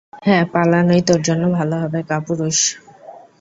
হ্যাঁ, পালানোই তোর জন্য ভালো হবে, কাপুরুষ।